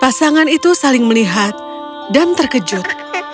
pasangan itu saling melihat dan terkejut